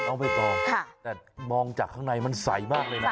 เอาไปต่ออ่ะค่ะจะมองจากข้างในมันใสมากเลยนะครับ